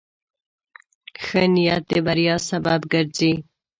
ښه نیت د بریا سبب ګرځي.